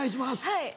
はい。